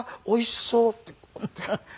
「おいしそう」って。